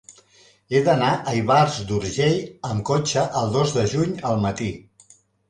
He d'anar a Ivars d'Urgell amb cotxe el dos de juny al matí.